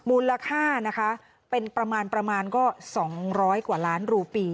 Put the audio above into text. มูลค่านะคะเป็นประมาณประมาณก็๒๐๐กว่าล้านรูปี